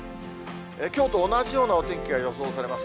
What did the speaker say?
きょうと同じようなお天気が予想されます。